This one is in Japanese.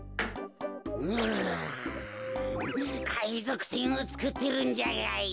うかいぞくせんをつくってるんじゃがよ。